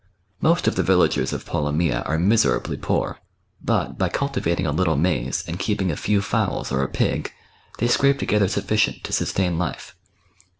Most of the villagers of Polomyja are miserably poor; but by cultivating a little maize, and keeping a few fowls or a pig, they scrape together sufficient to sustain life.